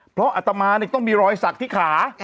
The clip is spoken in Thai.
เพราะอัตมาต้องมีรอยสักที่ขา